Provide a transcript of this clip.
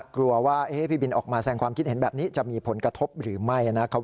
กลัวว่าพี่บินออกมาแสงความคิดเห็นแบบนี้จะมีผลกระทบหรือไม่นะครับ